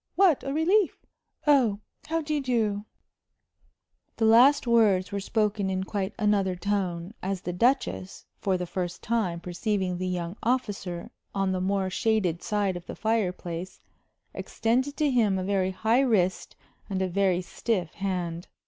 What a relief! Oh, how do you do?" The last words were spoken in quite another tone, as the Duchess, for the first time perceiving the young officer on the more shaded side of the fireplace, extended to him a very high wrist and a very stiff hand.